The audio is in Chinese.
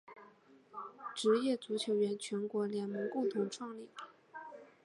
职业足球员全国联盟共同创立。